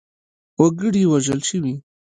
وګړي وژل شوي.